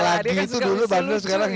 lagi itu dulu bandel sekarang enggak